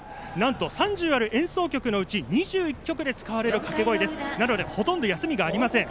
なんと３０ある応援曲で２１曲で使われる掛け声なのでほとんど休みがありません。